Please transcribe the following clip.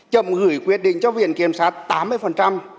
chậm gửi quyết định cho viện kiểm sát tám mươi